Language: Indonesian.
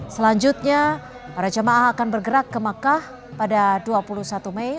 selanjutnya para jemaah akan bergerak ke makkah pada dua puluh satu mei